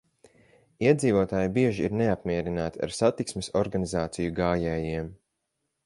Iedzīvotāji bieži ir neapmierināti ar satiksmes organizāciju gājējiem.